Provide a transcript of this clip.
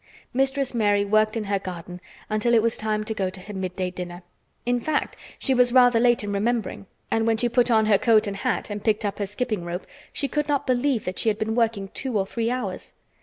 Mistress Mary worked in her garden until it was time to go to her midday dinner. In fact, she was rather late in remembering, and when she put on her coat and hat, and picked up her skipping rope, she could not believe that she had been working two or three hours.